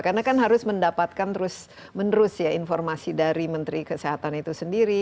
karena kan harus mendapatkan terus menerus ya informasi dari menteri kesehatan itu sendiri